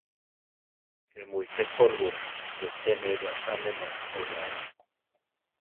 ¿Ké mu ité pólvora? reté ne raʼtánema oláe.